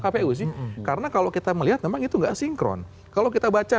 partai terlibat kita hanya